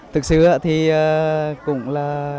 thực sự thì cũng là